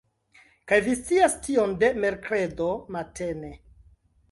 Kaj vi scias tion de merkredo matene!